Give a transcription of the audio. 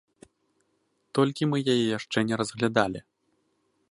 Толькі мы яе яшчэ не разглядалі.